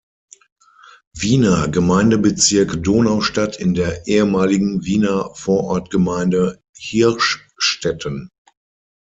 Wiener Gemeindebezirk Donaustadt in der ehemaligen Wiener Vorortgemeinde Hirschstetten.